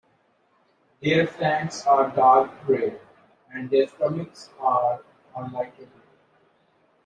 Their flanks are dark gray, and their stomachs are a lighter gray.